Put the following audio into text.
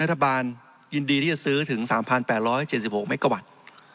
รัฐบาลยินดีที่จะซื้อถึง๓๘๗๖เมกาวัตต์